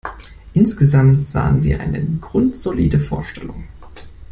Insgesamt sahen wir eine grundsolide Vorstellung.